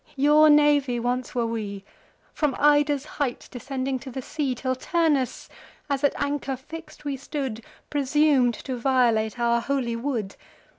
Your navy once were we, From Ida's height descending to the sea; Till Turnus, as at anchor fix'd we stood, Presum'd to violate our holy wood.